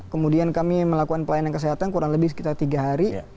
kemudian kami melakukan pelayanan kesehatan kurang lebih sekitar tiga hari